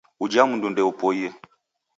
Uja mundu ndeupoie